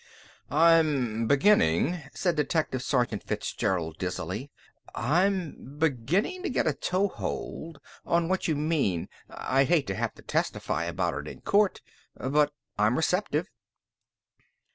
"I'm beginnin'," said Detective Sergeant Fitzgerald dizzily, "I'm beginnin' to get a toehold on what you mean. I'd hate to have to testify about it in court, but I'm receptive."